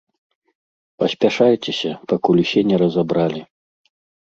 Паспяшайцеся, пакуль усе на разабралі.